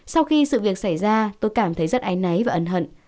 sau khi sự việc xảy ra tôi cảm thấy rất ái náy và ân hận